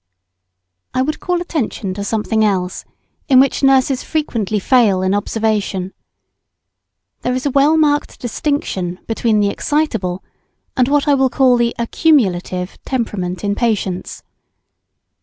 ] I would call attention to something else, in which nurses frequently fail in observation. There is a well marked distinction between the excitable and what I will call the accumulative temperament in patients.